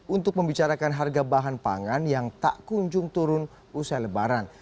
untuk membicarakan harga bahan pangan yang tak kunjung turun usai lebaran